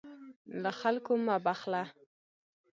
له خلکو مه بخله.